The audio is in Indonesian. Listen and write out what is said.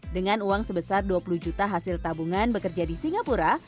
dengan uang sebesar dua puluh juta hasil tabungan bekerja di singapura